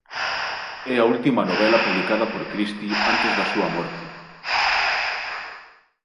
É a última novela publicada por Christie antes da súa morte.